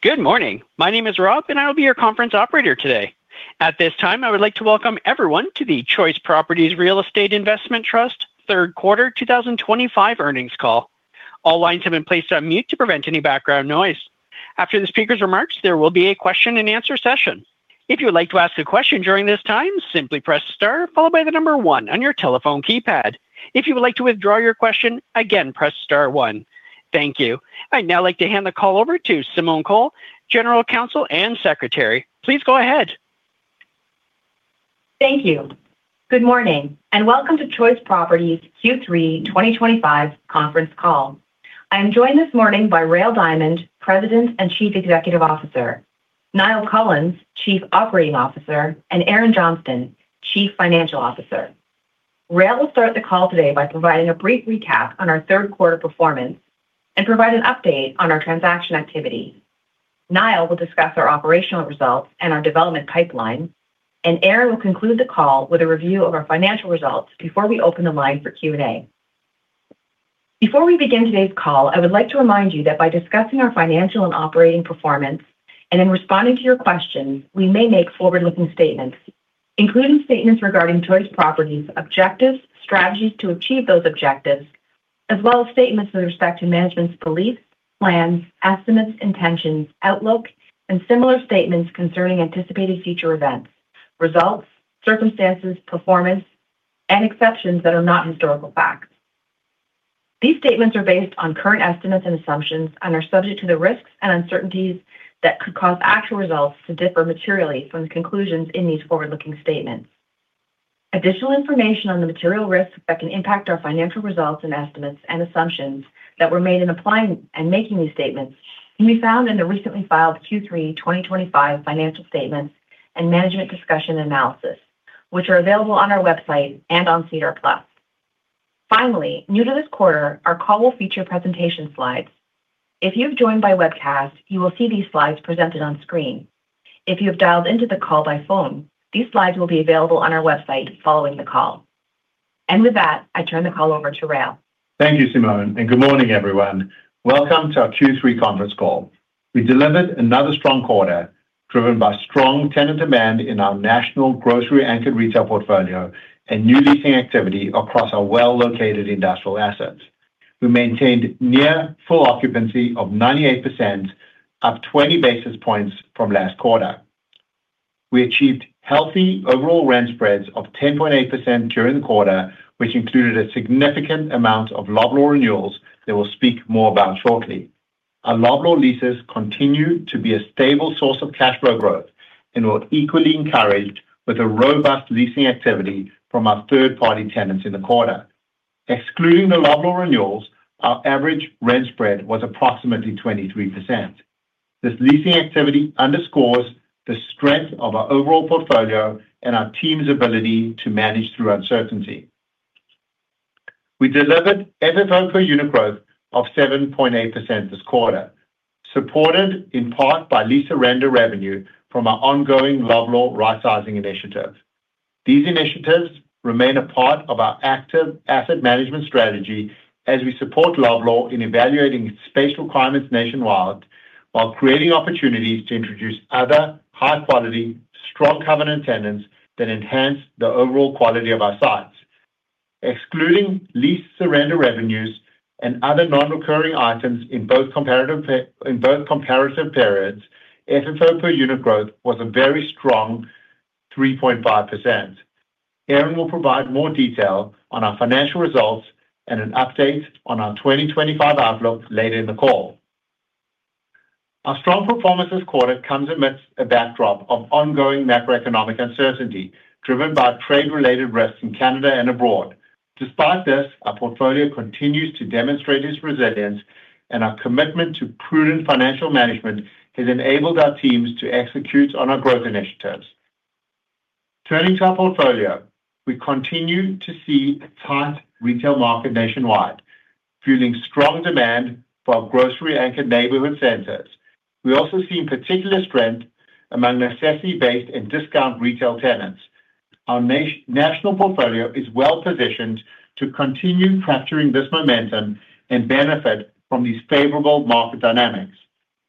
Good morning. My name is Rob, and I'll be your conference operator today. At this time, I would like to welcome everyone to the Choice Properties Real Estate Investment Trust third quarter 2025 earnings call. All lines have been placed on mute to prevent any background noise. After the speaker's remarks, there will be a question-and-answer session. If you would like to ask a question during this time, simply press star followed by the number one on your telephone keypad. If you would like to withdraw your question, again press star one. Thank you. I'd now like to hand the call over to Simone Cole, General Counsel and Secretary. Please go ahead. Thank you. Good morning and welcome to Choice Properties Q3 2025 conference call. I am joined this morning by Rael Diamond, President and Chief Executive Officer; Niall Collins, Chief Operating Officer; and Erin Johnston, Chief Financial Officer. Rael will start the call today by providing a brief recap on our third quarter performance and provide an update on our transaction activity. Niall will discuss our operational results and our development pipeline, and Erin will conclude the call with a review of our financial results before we open the line for Q&A. Before we begin today's call, I would like to remind you that by discussing our financial and operating performance and in responding to your questions, we may make forward-looking statements, including statements regarding Choice Properties' objectives, strategies to achieve those objectives, as well as statements with respect to management's beliefs, plans, estimates, intentions, outlook, and similar statements concerning anticipated future events, results, circumstances, performance, and exceptions that are not historical facts. These statements are based on current estimates and assumptions and are subject to the risks and uncertainties that could cause actual results to differ materially from the conclusions in these forward-looking statements. Additional information on the material risks that can impact our financial results and estimates and assumptions that were made in applying and making these statements can be found in the recently filed Q3 2025 financial statements and management discussion and analysis, which are available on our website and on SEDAR+. Finally, new to this quarter, our call will feature presentation slides. If you have joined by webcast, you will see these slides presented on screen. If you have dialed into the call by phone, these slides will be available on our website following the call. With that, I turn the call over to Rael. Thank you, Simone, and good morning, everyone. Welcome to our Q3 conference call. We delivered another strong quarter driven by strong tenant demand in our national grocery-anchored retail portfolio and new leasing activity across our well-located industrial assets. We maintained near full occupancy of 98%, up 20 basis points from last quarter. We achieved healthy overall rent spreads of 10.8% during the quarter, which included a significant amount of Loblaw renewals that we'll speak more about shortly. Our Loblaw leases continue to be a stable source of cash flow growth and we are equally encouraged with the robust leasing activity from our third-party tenants in the quarter. Excluding the Loblaw renewals, our average rent spread was approximately 23%. This leasing activity underscores the strength of our overall portfolio and our team's ability to manage through uncertainty. We delivered ever-proper unit growth of 7.8% this quarter, supported in part by lease surrender revenue from our ongoing Loblaw rightsizing initiative. These initiatives remain a part of our active asset management strategy as we support Loblaw in evaluating space requirements nationwide while creating opportunities to introduce other high-quality, strong-cover tenants that enhance the overall quality of our sites. Excluding lease surrender revenues and other non-recurring items in both comparative periods, FFO per unit growth was a very strong 3.5%. Erin will provide more detail on our financial results and an update on our 2025 outlook later in the call. Our strong performance this quarter comes amidst a backdrop of ongoing macroeconomic uncertainty driven by trade-related risks in Canada and abroad. Despite this, our portfolio continues to demonstrate its resilience, and our commitment to prudent financial management has enabled our teams to execute on our growth initiatives. Turning to our portfolio, we continue to see a tight retail market nationwide, fueling strong demand for our grocery-anchored neighborhood centers. We also see particular strength among necessity-based and discount retail tenants. Our national portfolio is well-positioned to continue capturing this momentum and benefit from these favorable market dynamics.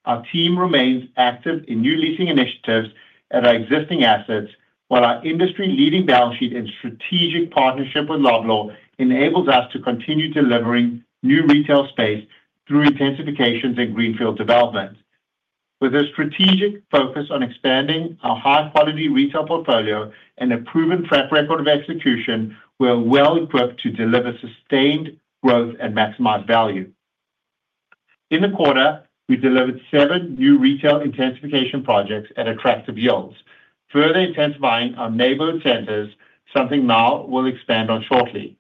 Our team remains active in new leasing initiatives at our existing assets, while our industry-leading balance sheet and strategic partnership with Loblaw enables us to continue delivering new retail space through intensifications and greenfield development. With a strategic focus on expanding our high-quality retail portfolio and a proven track record of execution, we are well-equipped to deliver sustained growth and maximize value. In the quarter, we delivered seven new retail intensification projects at attractive yields, further intensifying our neighborhood centers, something Niall will expand on shortly.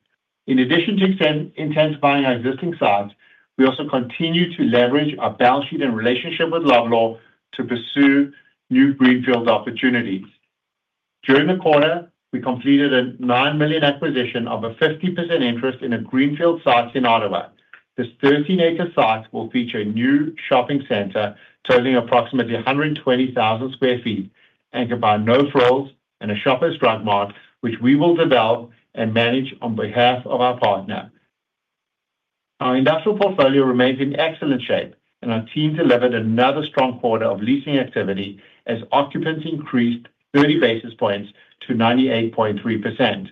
In addition to intensifying our existing sites, we also continue to leverage our balance sheet and relationship with Loblaw to pursue new greenfield opportunities. During the quarter, we completed a 9 million acquisition of a 50% interest in a greenfield site in Ottawa. This 13-acre site will feature a new shopping center totaling approximately 120,000 sq ft, anchored by No Frills and a Shoppers Drug Mart, which we will develop and manage on behalf of our partner. Our industrial portfolio remains in excellent shape, and our team delivered another strong quarter of leasing activity as occupancy increased 30 basis points to 98.3%.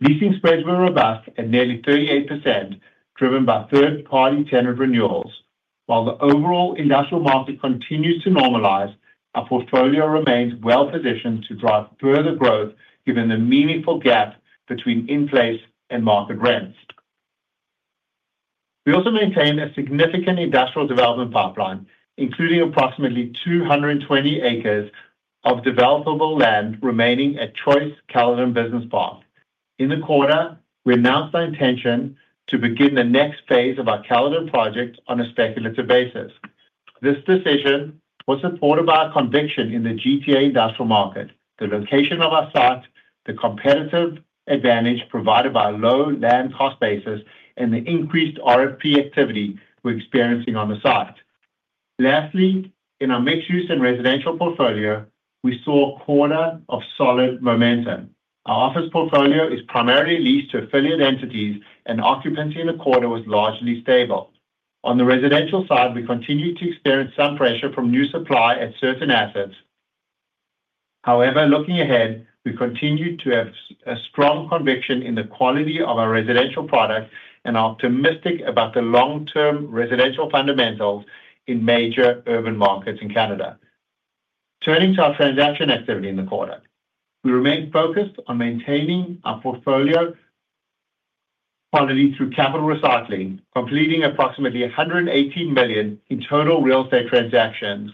Leasing spreads were robust at nearly 38%, driven by third-party tenant renewals. While the overall industrial market continues to normalize, our portfolio remains well-positioned to drive further growth given the meaningful gap between in-place and market rents. We also maintain a significant industrial development pipeline, including approximately 220 acres of developable land remaining at Choice Caledon Business Park. In the quarter, we announced our intention to begin the next phase of our Caledon project on a speculative basis. This decision was supported by our conviction in the GTA industrial market, the location of our site, the competitive advantage provided by a low land cost basis, and the increased RFP activity we're experiencing on the site. Lastly, in our mixed-use and residential portfolio, we saw a quarter of solid momentum. Our office portfolio is primarily leased to affiliate entities, and occupancy in the quarter was largely stable. On the residential side, we continue to experience some pressure from new supply at certain assets. However, looking ahead, we continue to have a strong conviction in the quality of our residential product and are optimistic about the long-term residential fundamentals in major urban markets in Canada. Turning to our transaction activity in the quarter, we remain focused on maintaining our portfolio quality through capital recycling, completing approximately 118 million in total real estate transactions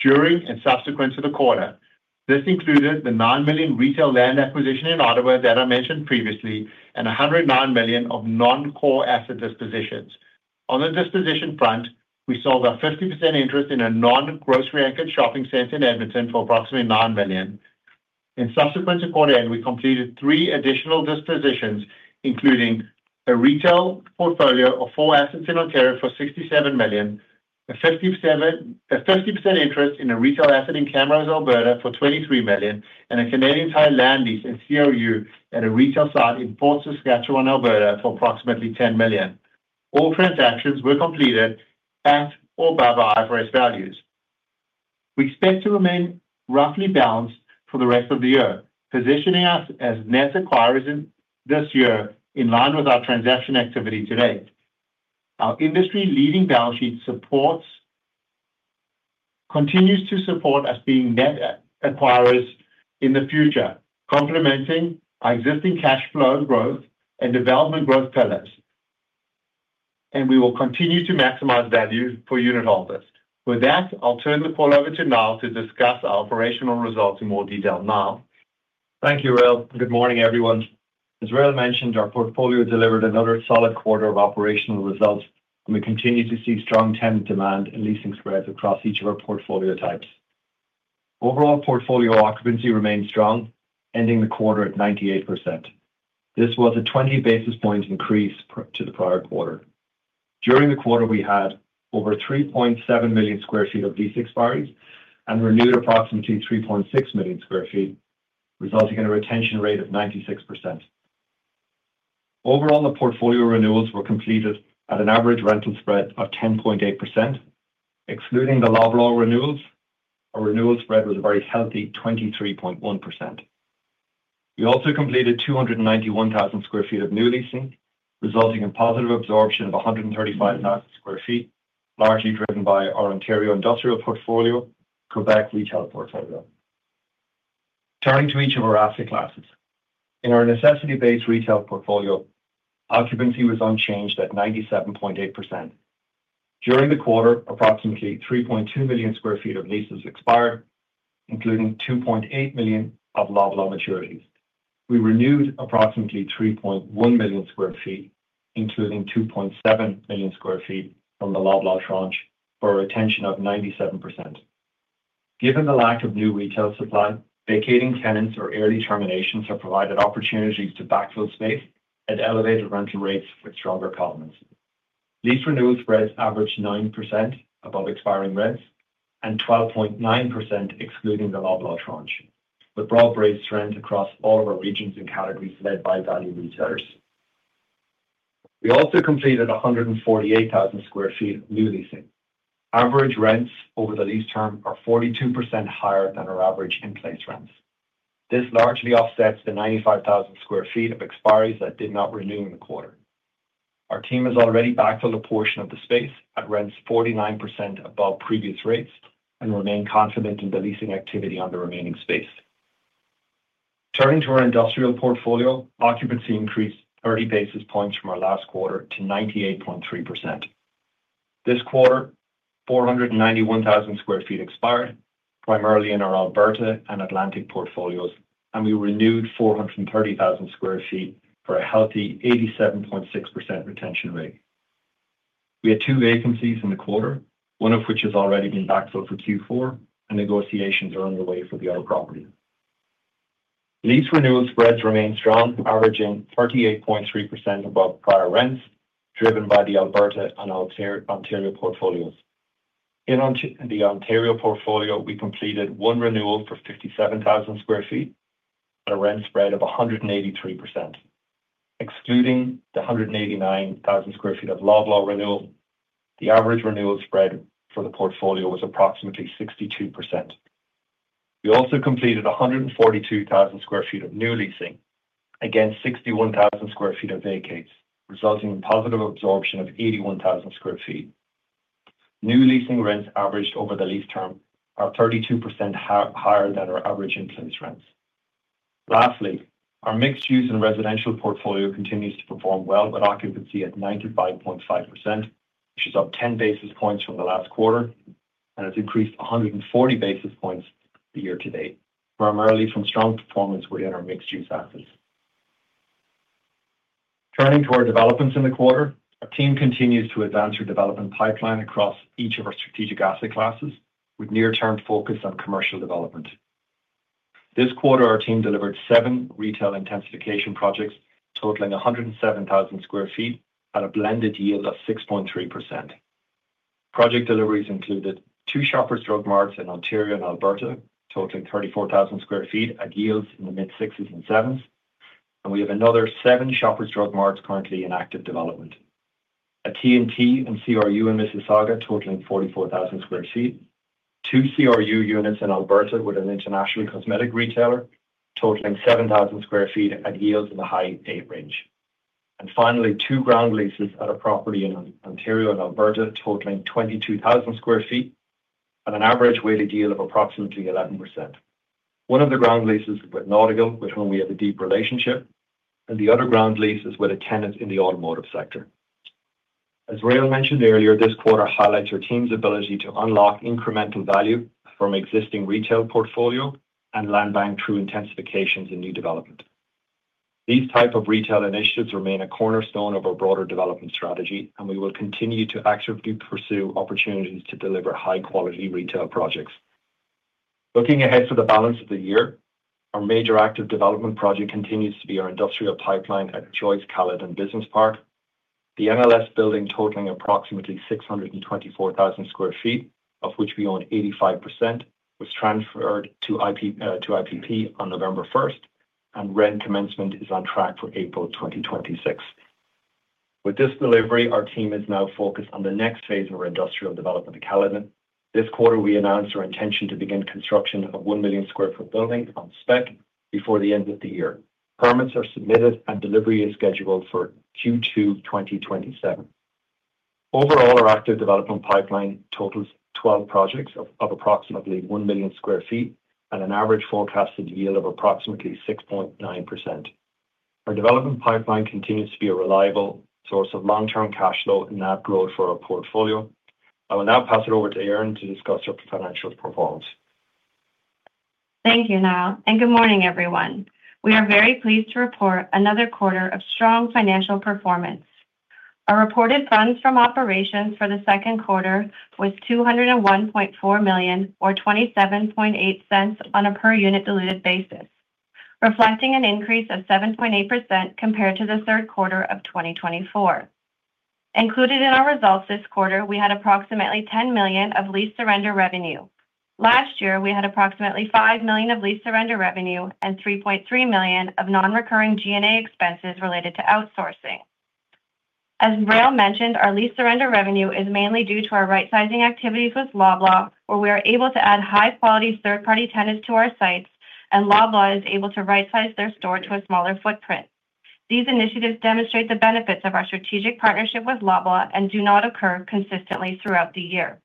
during and subsequent to the quarter. This included the 9 million retail land acquisition in Ottawa that I mentioned previously and 109 million of non-core asset dispositions. On the disposition front, we sold our 50% interest in a non-grocery-anchored shopping center in Edmonton for approximately 9 million. In subsequent to quarter end, we completed three additional dispositions, including a retail portfolio of four assets in Ontario for 67 million, a 50%. Interest in a retail asset in Camrose, Alberta for 23 million, and a Canadian Tire land lease in a retail site in Fort Saskatchewan, Alberta for approximately 10 million. All transactions were completed at or above fair values. We expect to remain roughly balanced for the rest of the year, positioning us as net acquirers this year in line with our transaction activity to date. Our industry-leading balance sheet continues to support us being net acquirers in the future, complementing our existing cash flow growth and development growth pillars. We will continue to maximize value for unit holders. With that, I'll turn the call over to Niall to discuss our operational results in more detail. Niall. Thank you, Rael. Good morning, everyone. As Rael mentioned, our portfolio delivered another solid quarter of operational results, and we continue to see strong tenant demand and leasing spreads across each of our portfolio types. Overall portfolio occupancy remained strong, ending the quarter at 98%. This was a 20 basis point increase to the prior quarter. During the quarter, we had over 3.7 million sq ft of lease expiry and renewed approximately 3.6 million sq ft, resulting in a retention rate of 96%. Overall, the portfolio renewals were completed at an average rental spread of 10.8%. Excluding the Loblaw renewals, our renewal spread was a very healthy 23.1%. We also completed 291,000 sq ft of new leasing, resulting in positive absorption of 135,000 sq ft, largely driven by our Ontario industrial portfolio and Quebec retail portfolio. Turning to each of our asset classes, in our necessity-based retail portfolio, occupancy was unchanged at 97.8%. During the quarter, approximately 3.2 million sq ft of leases expired, including 2.8 million of Loblaw maturities. We renewed approximately 3.1 million sq ft, including 2.7 million sq ft from the Loblaw tranche for a retention of 97%. Given the lack of new retail supply, vacating tenants or early terminations have provided opportunities to backfill space at elevated rental rates with stronger columns. Lease renewal spreads averaged 9% above expiring rents and 12.9% excluding the Loblaw tranche, with broad-based trends across all of our regions and categories led by value retailers. We also completed 148,000 sq ft of new leasing. Average rents over the lease term are 42% higher than our average in-place rents. This largely offsets the 95,000 sq ft of expiries that did not renew in the quarter. Our team has already backfilled a portion of the space at rents 49% above previous rates and remains confident in the leasing activity on the remaining space. Turning to our industrial portfolio, occupancy increased 30 basis points from our last quarter to 98.3%. This quarter, 491,000 sq ft expired primarily in our Alberta and Atlantic portfolios, and we renewed 430,000 sq ft for a healthy 87.6% retention rate. We had two vacancies in the quarter, one of which has already been backfilled for Q4, and negotiations are underway for the other property. Lease renewal spreads remain strong, averaging 38.3% above prior rents, driven by the Alberta and Ontario portfolios. In the Ontario portfolio, we completed one renewal for 57,000 sq ft at a rent spread of 183%. Excluding the 189,000 sq ft of Loblaw renewal, the average renewal spread for the portfolio was approximately 62%. We also completed 142,000 sq ft of new leasing, against 61,000 sq ft of vacates, resulting in positive absorption of 81,000 sq ft. New leasing rents averaged over the lease term are 32% higher than our average in-place rents. Lastly, our mixed-use and residential portfolio continues to perform well with occupancy at 95.5%, which is up 10 basis points from the last quarter and has increased 140 basis points the year-to-date, primarily from strong performance within our mixed-use assets. Turning to our developments in the quarter, our team continues to advance our development pipeline across each of our strategic asset classes, with near-term focus on commercial development. This quarter, our team delivered seven retail intensification projects totaling 107,000 sq ft at a blended yield of 6.3%. Project deliveries included two Shoppers Drug Marts in Ontario and Alberta, totaling 34,000 sq ft at yields in the mid 6%-7% range, and we have another seven Shoppers Drug Marts currently in active development. A T&T in CRU in Mississauga totaling 44,000 sq ft, two CRU units in Alberta with an international cosmetic retailer totaling 7,000 sq ft at yields in the high 8% range. Finally, two ground leases at a property in Ontario and Alberta totaling 22,000 sq ft at an average weighted yield of approximately 11%. One of the ground leases is with Nautical, with whom we have a deep relationship, and the other ground lease is with a tenant in the automotive sector. As Rael mentioned earlier, this quarter highlights our team's ability to unlock incremental value from existing retail portfolio and land-bound true intensifications in new development. These types of retail initiatives remain a cornerstone of our broader development strategy, and we will continue to actively pursue opportunities to deliver high-quality retail projects. Looking ahead to the balance of the year, our major active development project continues to be our industrial pipeline at Choice Caledon Business Park. The NLS building, totaling approximately 624,000 sq ft, of which we own 85%, was transferred to IPP on November 1st, and rent commencement is on track for April 2026. With this delivery, our team is now focused on the next phase of our industrial development at Caledon. This quarter, we announced our intention to begin construction of 1 million sq ft building on spec before the end of the year. Permits are submitted, and delivery is scheduled for Q2 2027. Overall, our active development pipeline totals 12 projects of approximately 1 million sq ft at an average forecasted yield of approximately 6.9%. Our development pipeline continues to be a reliable source of long-term cash flow and add growth for our portfolio. I will now pass it over to Erin to discuss our financial performance. Thank you, Niall, and good morning, everyone. We are very pleased to report another quarter of strong financial performance. Our reported funds from operations for the second quarter was 201.4 million, or 0.278 on a per-unit diluted basis, reflecting an increase of 7.8% compared to the third quarter of 2024. Included in our results this quarter, we had approximately 10 million of lease surrender revenue. Last year, we had approximately 5 million of lease surrender revenue and 3.3 million of non-recurring G&A expenses related to outsourcing. As Rael mentioned, our lease surrender revenue is mainly due to our right-sizing activities with Loblaw, where we are able to add high-quality third-party tenants to our sites, and Loblaw is able to right-size their store to a smaller footprint. These initiatives demonstrate the benefits of our strategic partnership with Loblaw and do not occur consistently throughout the year.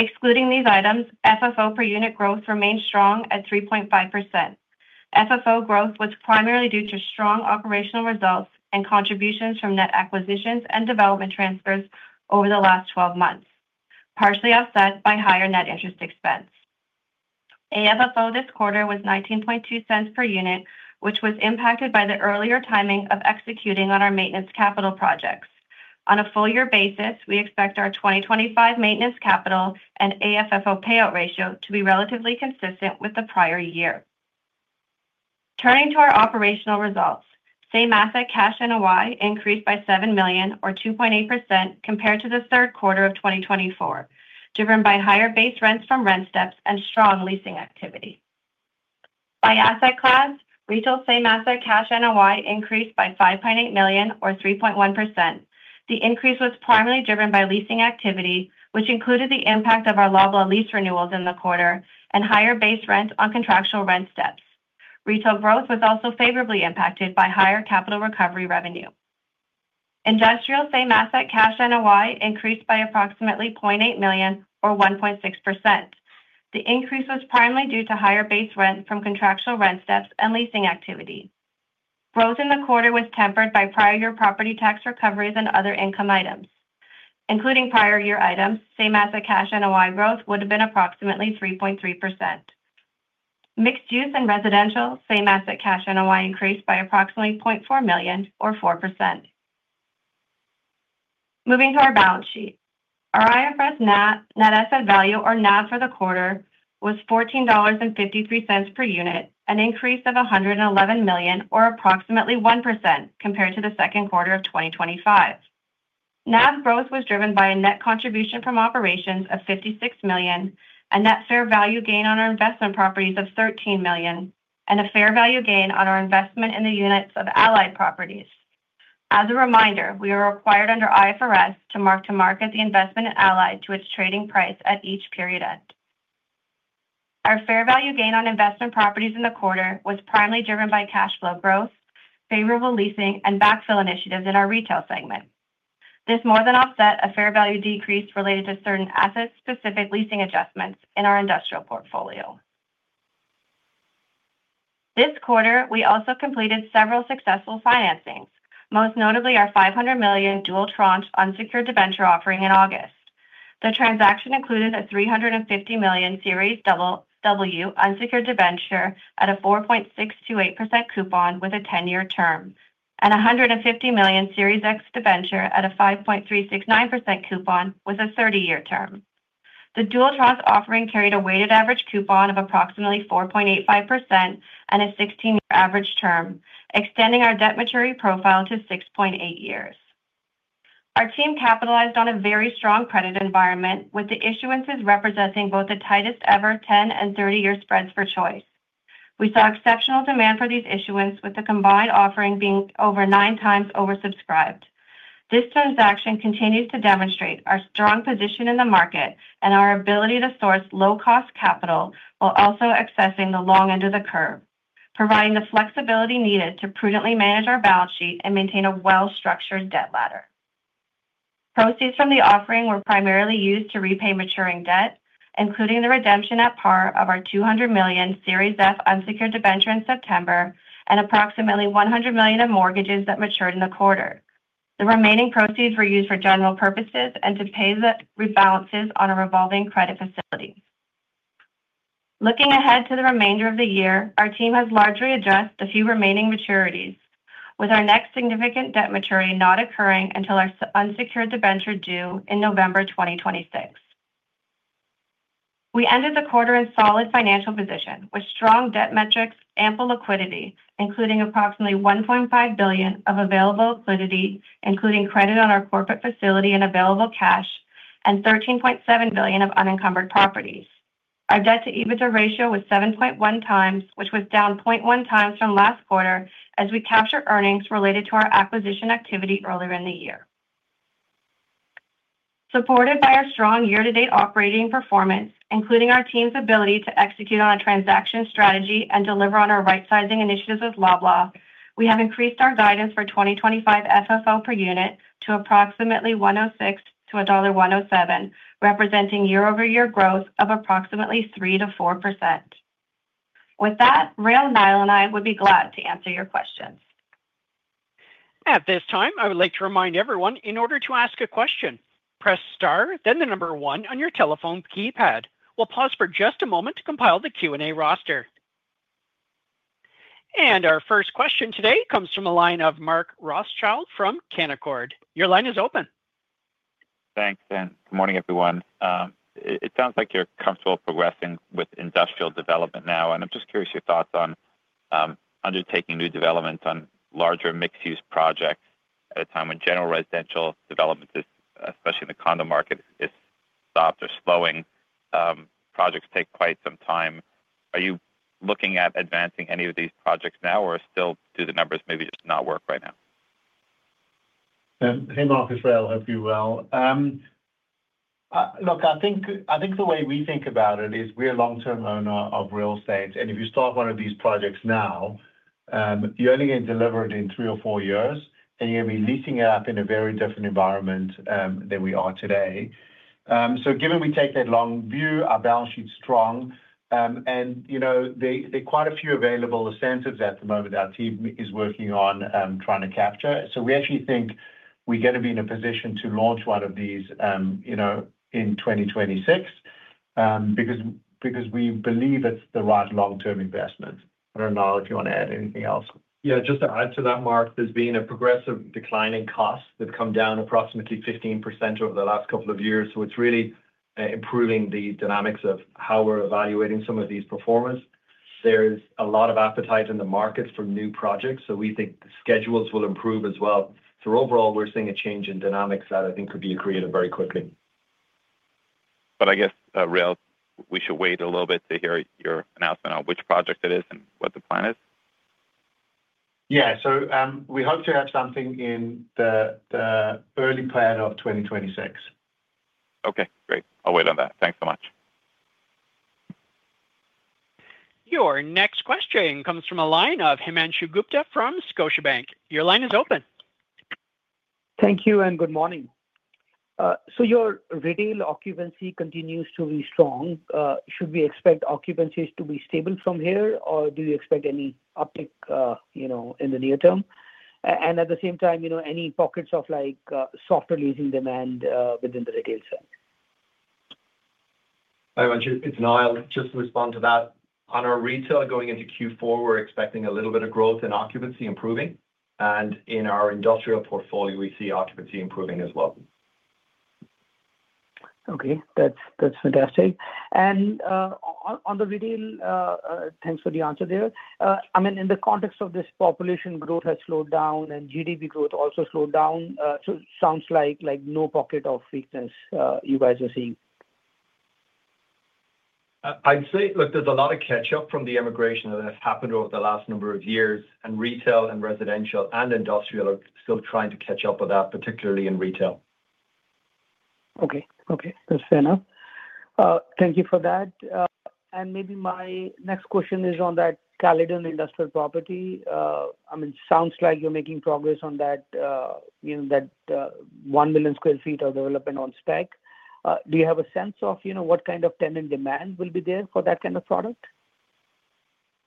Excluding these items, FFO per unit growth remains strong at 3.5%. FFO growth was primarily due to strong operational results and contributions from net acquisitions and development transfers over the last 12 months, partially offset by higher net interest expense. AFFO this quarter was 0.192 per unit, which was impacted by the earlier timing of executing on our maintenance capital projects. On a full-year basis, we expect our 2025 maintenance capital and AFFO payout ratio to be relatively consistent with the prior year. Turning to our operational results, same asset cash NOI increased by 7 million, or 2.8%, compared to the third quarter of 2024, driven by higher base rents from rent steps and strong leasing activity. By asset class, retail same asset cash NOI increased by 5.8 million, or 3.1%. The increase was primarily driven by leasing activity, which included the impact of our Loblaw lease renewals in the quarter and higher base rent on contractual rent steps. Retail growth was also favorably impacted by higher capital recovery revenue. Industrial same asset cash NOI increased by approximately 0.8 million, or 1.6%. The increase was primarily due to higher base rent from contractual rent steps and leasing activity. Growth in the quarter was tempered by prior-year property tax recoveries and other income items. Including prior-year items, same asset cash NOI growth would have been approximately 3.3%. Mixed-use and residential same asset cash NOI increased by approximately 0.4 million, or 4%. Moving to our balance sheet, our IFRS Net Asset Value, or NAV for the quarter, was 14.53 dollars per unit, an increase of 111 million, or approximately 1%, compared to the second quarter of 2025. NAV growth was driven by a net contribution from operations of 56 million, a net fair value gain on our investment properties of 13 million, and a fair value gain on our investment in the units of Allied Properties. As a reminder, we are required under IFRS to mark to market the investment in Allied to its trading price at each period end. Our fair value gain on investment properties in the quarter was primarily driven by cash flow growth, favorable leasing, and backfill initiatives in our retail segment. This more than offset a fair value decrease related to certain asset-specific leasing adjustments in our industrial portfolio. This quarter, we also completed several successful financings, most notably our 500 million dual tranche unsecured debenture offering in August. The transaction included a 350 million Series W unsecured debenture at a 4.628% coupon with a 10-year term, and a 150 million Series X debenture at a 5.369% coupon with a 30-year term. The dual tranche offering carried a weighted average coupon of approximately 4.85% and a 16-year average term, extending our debt maturity profile to 6.8 years. Our team capitalized on a very strong credit environment, with the issuances representing both the tightest-ever 10-year and 30-year spreads for Choice. We saw exceptional demand for these issuances, with the combined offering being over nine times oversubscribed. This transaction continues to demonstrate our strong position in the market and our ability to source low-cost capital while also accessing the long end of the curve, providing the flexibility needed to prudently manage our balance sheet and maintain a well-structured debt ladder. Proceeds from the offering were primarily used to repay maturing debt, including the redemption at par of our 200 million Series F unsecured debenture in September and approximately 100 million of mortgages that matured in the quarter. The remaining proceeds were used for general purposes and to pay the rebalances on a revolving credit facility. Looking ahead to the remainder of the year, our team has largely addressed the few remaining maturities, with our next significant debt maturity not occurring until our unsecured debenture due in November 2026. We ended the quarter in solid financial position, with strong debt metrics, ample liquidity, including approximately 1.5 billion of available liquidity, including credit on our corporate facility and available cash, and 13.7 billion of unencumbered properties. Our debt-to-EBITDA ratio was 7.1x, which was down 0.1x from last quarter, as we captured earnings related to our acquisition activity earlier in the year. Supported by our strong year-to-date operating performance, including our team's ability to execute on a transaction strategy and deliver on our right-sizing initiatives with Loblaw, we have increased our guidance for 2025 FFO per unit to approximately 1.06-1.07 dollar, representing year-over-year growth of approximately 3%-4%. With that, Rael, Niall, and I would be glad to answer your questions. At this time, I would like to remind everyone, in order to ask a question, press star, then the number one on your telephone keypad. We'll pause for just a moment to compile the Q&A roster. Our first question today comes from a line of Mark Rothschild from Canaccord. Your line is open. Thanks, Anne. Good morning, everyone. It sounds like you're comfortable progressing with industrial development now, and I'm just curious your thoughts on undertaking new developments on larger mixed-use projects at a time when general residential development, especially in the condo market, is stopped or slowing. Projects take quite some time. Are you looking at advancing any of these projects now, or still do the numbers maybe just not work right now? Hang on, it's Rael, I hope you're well. Look, I think the way we think about it is we're a long-term owner of real estate, and if you start one of these projects now, you're only going to deliver it in three or four years, and you're going to be leasing it up in a very different environment than we are today. Given we take that long view, our balance sheet's strong. There are quite a few available incentives at the moment that our team is working on trying to capture. We actually think we're going to be in a position to launch one of these in 2026 because we believe it's the right long-term investment. I don't know if you want to add anything else. Yeah, just to add to that, Mark, there's been a progressive decline in costs that come down approximately 15% over the last couple of years. It is really improving the dynamics of how we're evaluating some of these performers. There is a lot of appetite in the market for new projects, so we think the schedules will improve as well. Overall, we're seeing a change in dynamics that I think could be accretive very quickly. I guess, Rael, we should wait a little bit to hear your announcement on which project it is and what the plan is. Yeah, so we hope to have something in the early plan of 2026. Okay, great. I'll wait on that. Thanks so much. Your next question comes from a line of Himanshu Gupta from Scotiabank. Your line is open. Thank you and good morning. Your retail occupancy continues to be strong. Should we expect occupancies to be stable from here, or do you expect any uptick in the near term? At the same time, any pockets of softer leasing demand within the retail sector? Hi, Himanshu. It's Niall. Just to respond to that, on our retail going into Q4, we're expecting a little bit of growth in occupancy improving. In our industrial portfolio, we see occupancy improving as well. Okay, that's fantastic. On the retail, thanks for the answer there. I mean, in the context of this, population growth has slowed down and GDP growth also slowed down, so it sounds like no pocket of weakness you guys are seeing. I'd say, look, there's a lot of catch-up from the immigration that has happened over the last number of years, and retail and residential and industrial are still trying to catch up with that, particularly in retail. Okay, okay. That's fair enough. Thank you for that. Maybe my next question is on that Caledon industrial property. I mean, it sounds like you're making progress on that. 1 million sq ft of development on spec. Do you have a sense of what kind of tenant demand will be there for that kind of product?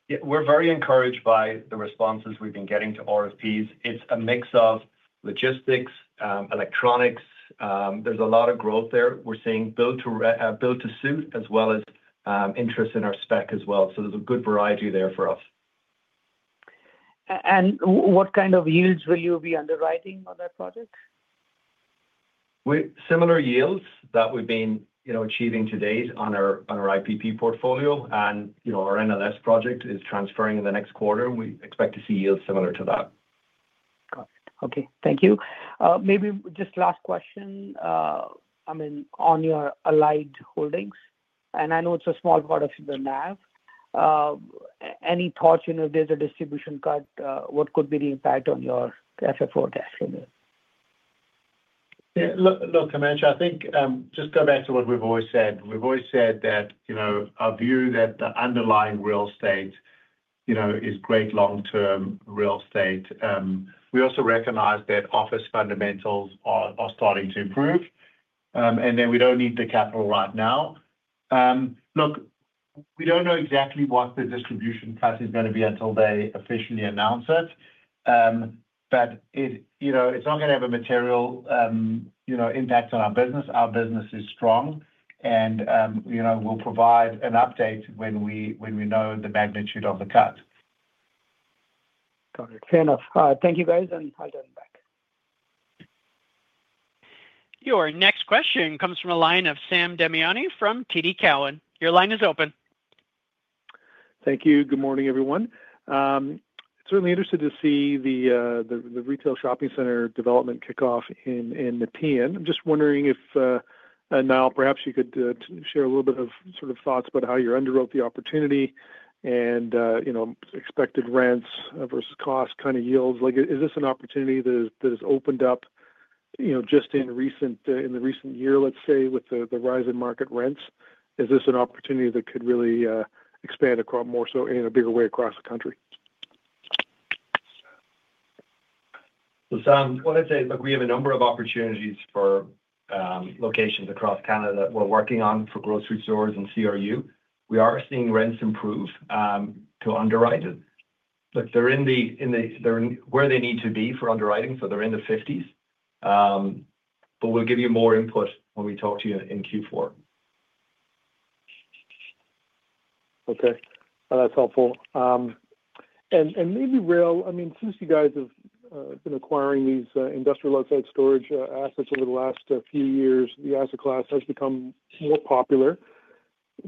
Yeah, we're very encouraged by the responses we've been getting to RFPs. It's a mix of logistics, electronics. There's a lot of growth there. We're seeing build-to-suit as well as interest in our spec as well. There is a good variety there for us. What kind of yields will you be underwriting on that project? Similar yields that we've been achieving to date on our IPP portfolio. Our NLS project is transferring in the next quarter, and we expect to see yields similar to that. Got it. Okay, thank you. Maybe just last question. I mean, on your Allied Properties, and I know it's a small part of the NAV. Any thoughts? If there's a distribution cut, what could be the impact on your FFO cash? Yeah, look, Himanshu, I think just go back to what we've always said. We've always said that our view that the underlying real estate is great long-term real estate. We also recognize that office fundamentals are starting to improve. We don't need the capital right now. Look, we don't know exactly what the distribution cut is going to be until they officially announce it. It's not going to have a material impact on our business. Our business is strong, and we'll provide an update when we know the magnitude of the cut. Got it. Fair enough. Thank you, guys, and I'll turn back. Your next question comes from a line of Sam Damiani from TD Cowen. Your line is open. Thank you. Good morning, everyone. Certainly interested to see the retail shopping center development kick off in Nepean. I'm just wondering if, Niall, perhaps you could share a little bit of sort of thoughts about how you underwrote the opportunity and expected rents versus cost kind of yields. Is this an opportunity that has opened up just in the recent year, let's say, with the rise in market rents? Is this an opportunity that could really expand more so in a bigger way across the country? I want to say, look, we have a number of opportunities for locations across Canada that we're working on for grocery stores and CRU. We are seeing rents improve. To underwrite it, look, they're in the, where they need to be for underwriting, so they're in the 50s. We'll give you more input when we talk to you in Q4. Okay. That's helpful. Maybe, Rael, I mean, since you guys have been acquiring these industrial outside storage assets over the last few years, the asset class has become more popular.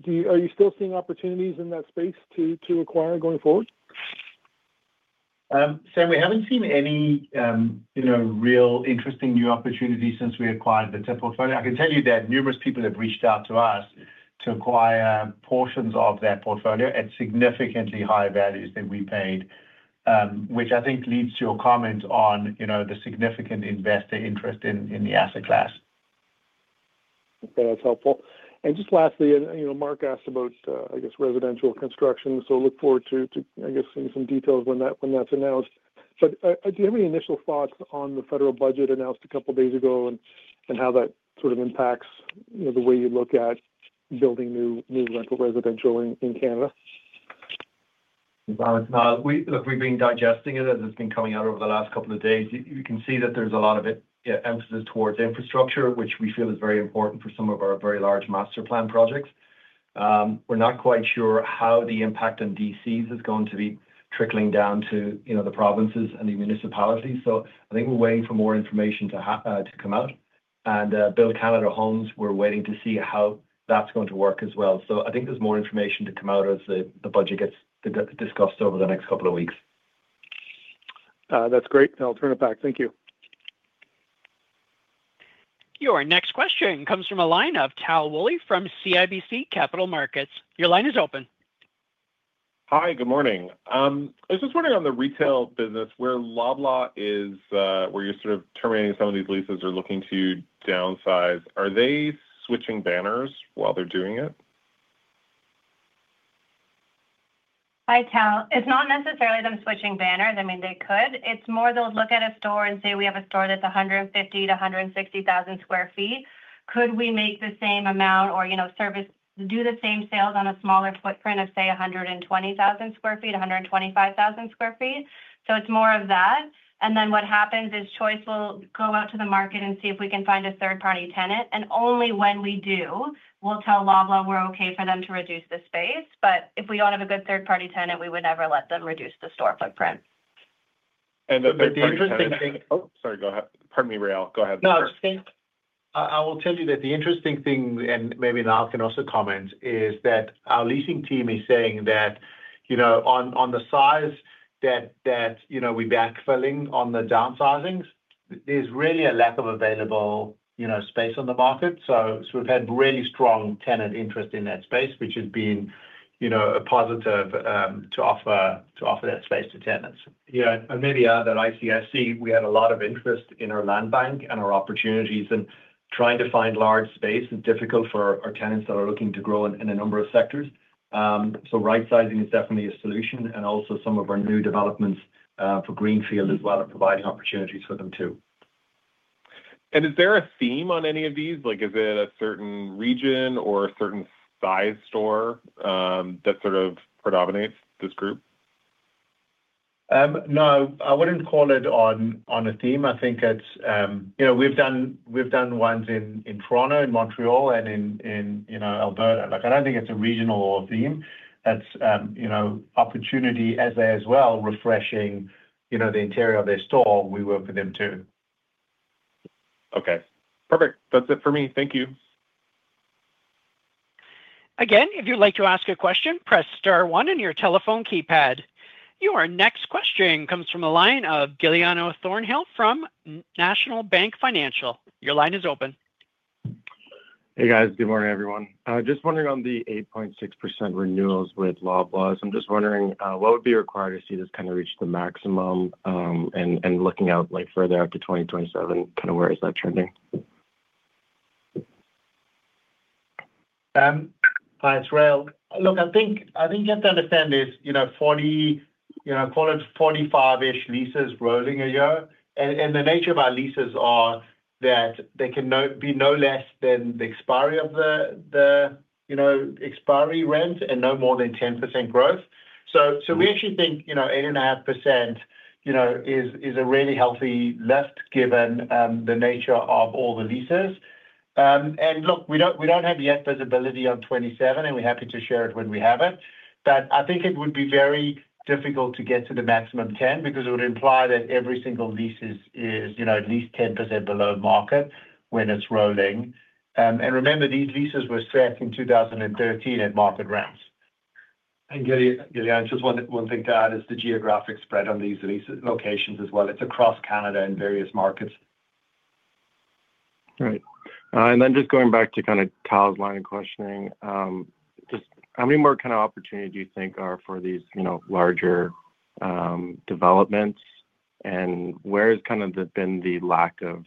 Are you still seeing opportunities in that space to acquire going forward? Sam, we haven't seen any real interesting new opportunities since we acquired the portfolio. I can tell you that numerous people have reached out to us to acquire portions of that portfolio at significantly higher values than we paid, which I think leads to your comment on the significant investor interest in the asset class. Okay, that's helpful. Just lastly, Mark asked about, I guess, residential construction. I look forward to, I guess, seeing some details when that's announced. Do you have any initial thoughts on the federal budget announced a couple of days ago and how that sort of impacts the way you look at building new rental residential in Canada? Look, we've been digesting it as it's been coming out over the last couple of days. You can see that there's a lot of emphasis towards infrastructure, which we feel is very important for some of our very large master plan projects. We're not quite sure how the impact on DCs is going to be trickling down to the provinces and the municipalities. I think we're waiting for more information to come out. Build Canada Homes, we're waiting to see how that's going to work as well. I think there's more information to come out as the budget gets discussed over the next couple of weeks. That's great. I'll turn it back. Thank you. Your next question comes from a line of Tal Woolley from CIBC Capital Markets. Your line is open. Hi, good morning. I was just wondering on the retail business where Loblaw is, where you're sort of terminating some of these leases or looking to downsize. Are they switching banners while they're doing it? Hi, Tal. It's not necessarily them switching banners. I mean, they could. It's more they'll look at a store and say, "We have a store that's 150,000 sq ft-160,000 sq ft. Could we make the same amount or do the same sales on a smaller footprint of, say, 120,000 sq ft, 125,000 sq ft?" It is more of that. What happens is Choice will go out to the market and see if we can find a third-party tenant. Only when we do, we'll tell Loblaw we're okay for them to reduce the space. If we don't have a good third-party tenant, we would never let them reduce the store footprint. The interesting thing—oh, sorry, go ahead. Pardon me, Rael. Go ahead. No, I was just saying I will tell you that the interesting thing, and maybe Niall can also comment, is that our leasing team is saying that on the size that we're backfilling on the downsizings, there's really a lack of available space on the market. We have had really strong tenant interest in that space, which has been a positive to offer that space to tenants. Yeah, and maybe add that at ICSC, we had a lot of interest in our land bank and our opportunities. Trying to find large space is difficult for our tenants that are looking to grow in a number of sectors. Right-sizing is definitely a solution. Also, some of our new developments for Greenfield as well are providing opportunities for them too. Is there a theme on any of these? Is it a certain region or a certain size store that sort of predominates this group? No, I would not call it on a theme. I think we have done ones in Toronto, in Montreal, and in Alberta. I do not think it is a regional theme. That is opportunity as they as well refreshing the interior of their store, we work with them too. Okay. Perfect. That's it for me. Thank you. Again, if you'd like to ask a question, press star one on your telephone keypad. Your next question comes from the line of Guiliano Thornhill from National Bank Financial. Your line is open. Hey, guys. Good morning, everyone. Just wondering on the 8.6% renewals with Loblaw, I'm just wondering what would be required to see this kind of reach the maximum and looking out further after 2027, kind of where is that trending? Hi, it's Rael. Look, I think you have to understand this. Call it 45-ish leases rolling a year. The nature of our leases is that they can be no less than the expiry rent and no more than 10% growth. We actually think 8.5% is a really healthy lift given the nature of all the leases. We do not have yet visibility on 2027, and we are happy to share it when we have it. I think it would be very difficult to get to the maximum 10% because it would imply that every single lease is at least 10% below market when it is rolling. Remember, these leases were set in 2013 at market ramps. Guiliano, just one thing to add is the geographic spread on these locations as well. It's across Canada and various markets. Right. Just going back to kind of Tal's line of questioning. Just how many more kind of opportunities do you think are for these larger developments? Where has kind of been the lack of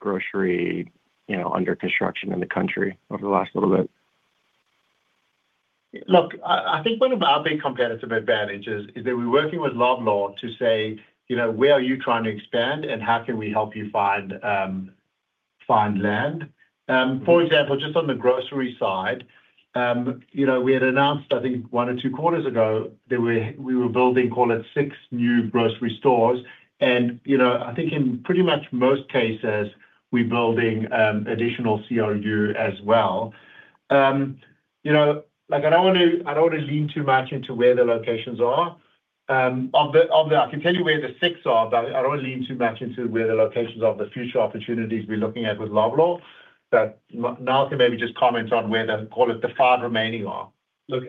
grocery under construction in the country over the last little bit? Look, I think one of our big competitive advantages is that we're working with Loblaw to say, "Where are you trying to expand, and how can we help you find land?" For example, just on the grocery side. We had announced, I think, one or two quarters ago that we were building, call it, six new grocery stores. I think in pretty much most cases, we're building additional CRU as well. I don't want to lean too much into where the locations are. I can tell you where the six are, but I don't want to lean too much into where the locations are of the future opportunities we're looking at with Loblaw. Niall can maybe just comment on where the, call it, the five remaining are. Look,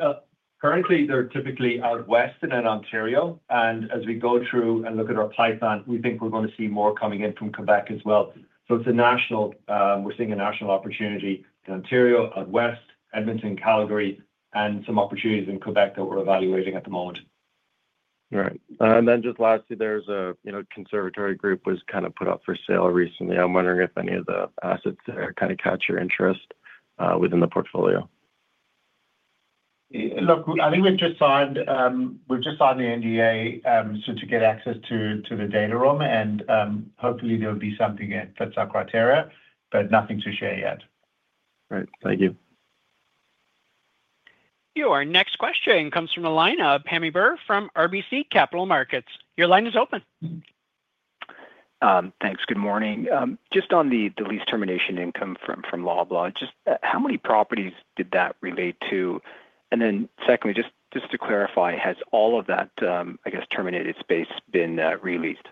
currently, they're typically out west in Ontario. As we go through and look at our pipeline, we think we're going to see more coming in from Quebec as well. We're seeing a national opportunity in Ontario, out west, Edmonton, Calgary, and some opportunities in Quebec that we're evaluating at the moment. Right. And then just lastly, there's a Conservatory Group that was kind of put up for sale recently. I'm wondering if any of the assets there kind of catch your interest within the portfolio. Look, I think we've just signed the NDA to get access to the data room. Hopefully, there'll be something that fits our criteria, but nothing to share yet. Great. Thank you. Your next question comes from a line of Pammi Bir from RBC Capital Markets. Your line is open. Thanks. Good morning. Just on the lease termination income from Loblaw, just how many properties did that relate to? Secondly, just to clarify, has all of that, I guess, terminated space been released?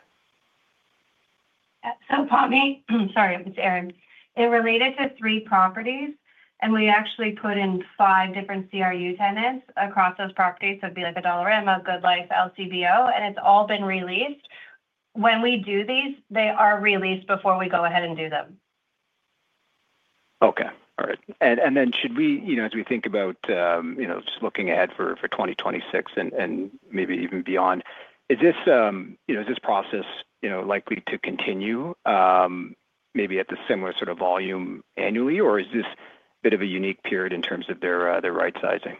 Sorry, it's Erin. It related to three properties, and we actually put in five different CRU tenants across those properties. It would be like a Dollarama, GoodLife, LCBO, and it has all been released. When we do these, they are released before we go ahead and do them. Okay. All right. Should we, as we think about just looking ahead for 2026 and maybe even beyond, is this process likely to continue? Maybe at the similar sort of volume annually, or is this a bit of a unique period in terms of their right-sizing?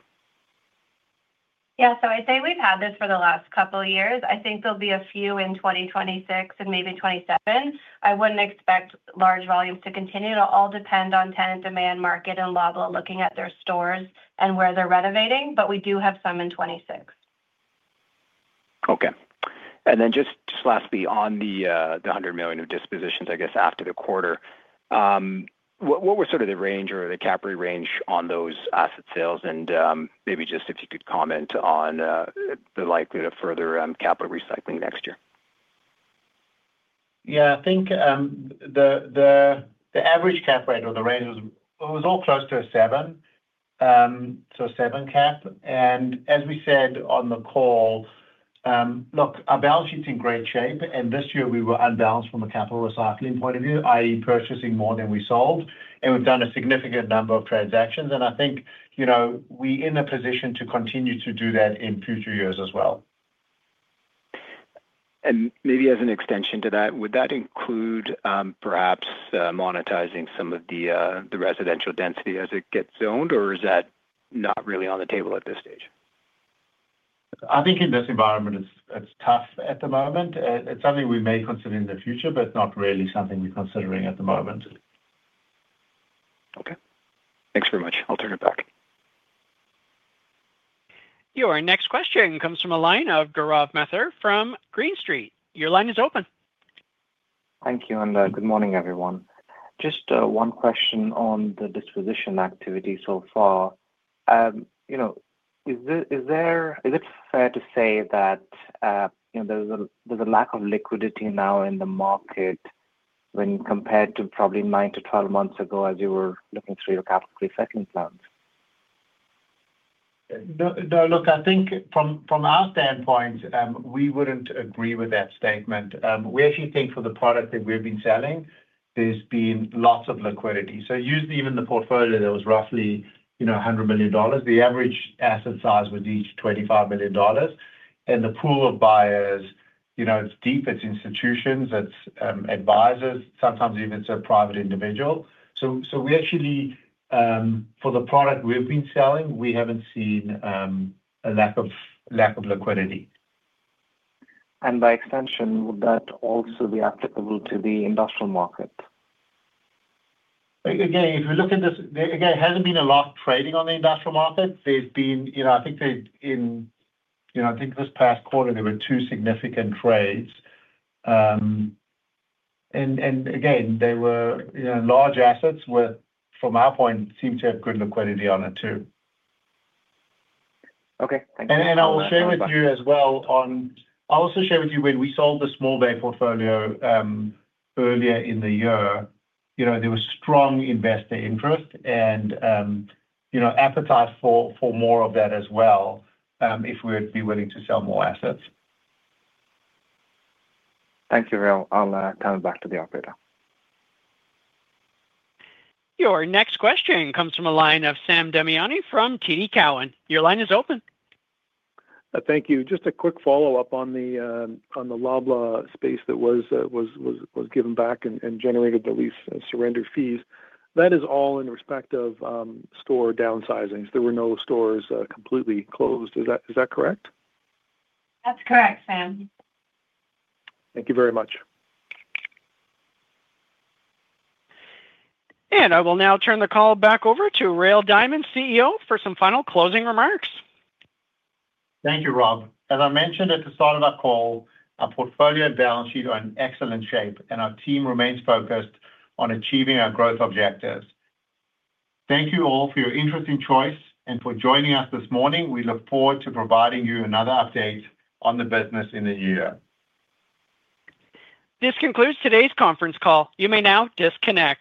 Yeah. I'd say we've had this for the last couple of years. I think there'll be a few in 2026 and maybe 2027. I wouldn't expect large volumes to continue. It'll all depend on tenant demand, market, and Loblaw looking at their stores and where they're renovating. We do have some in 2026. Okay. And then just lastly, on the 100 million of dispositions, I guess, after the quarter. What was sort of the range or the cap rate range on those asset sales? Maybe just if you could comment on the likelihood of further capital recycling next year. Yeah. I think the average cap rate or the range was all close to a 7. So a 7 cap. As we said on the call, look, our balance sheet's in great shape. This year, we were unbalanced from a capital recycling point of view, i.e., purchasing more than we sold. We've done a significant number of transactions. I think we're in a position to continue to do that in future years as well. Maybe as an extension to that, would that include perhaps monetizing some of the residential density as it gets zoned, or is that not really on the table at this stage? I think in this environment, it's tough at the moment. It's something we may consider in the future, but it's not really something we're considering at the moment. Okay. Thanks very much. I'll turn it back. Your next question comes from a line of Gaurav Mathur from Green Street. Your line is open. Thank you. Good morning, everyone. Just one question on the disposition activity so far. Is it fair to say that there is a lack of liquidity now in the market compared to probably nine to 12 months ago as you were looking through your capital resettlement plans? No, look, I think from our standpoint, we wouldn't agree with that statement. We actually think for the product that we've been selling, there's been lots of liquidity. Even the portfolio that was roughly 100 million dollars, the average asset size was each 25 million dollars. The pool of buyers, it's deep, it's institutions, it's advisors, sometimes even it's a private individual. For the product we've been selling, we haven't seen a lack of liquidity. By extension, would that also be applicable to the industrial market? Again, if you look at this, it hasn't been a lot of trading on the industrial market. I think in this past quarter, there were two significant trades. They were large assets with, from our point, seemed to have good liquidity on it too. Okay. Thank you. I will share with you as well, I'll also share with you, when we sold the small-bay portfolio earlier in the year, there was strong investor interest and appetite for more of that as well, if we would be willing to sell more assets. Thank you, Rael. I'll turn it back to the operator. Your next question comes from a line of Sam Damiani from TD Cowen. Your line is open. Thank you. Just a quick follow-up on the Loblaw space that was given back and generated the lease surrender fees. That is all in respect of store downsizings. There were no stores completely closed. Is that correct? That's correct, Sam. Thank you very much. I will now turn the call back over to Rael Diamond, CEO, for some final closing remarks. Thank you, Rob. As I mentioned at the start of our call, our portfolio and balance sheet are in excellent shape, and our team remains focused on achieving our growth objectives. Thank you all for your interest in Choice and for joining us this morning. We look forward to providing you another update on the business in a year. This concludes today's conference call. You may now disconnect.